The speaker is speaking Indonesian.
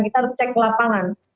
kita harus cek lapangan